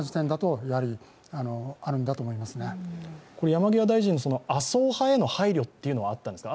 山際大臣の麻生派への配慮っていうのはあったんですか？